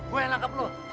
gua yang langkep lu